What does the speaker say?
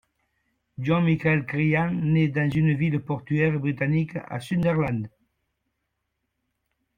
John Michael Cryan naît dans une ville portuaire britannique, à Sunderland.